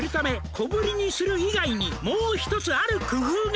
「小ぶりにする以外にもう一つある工夫が」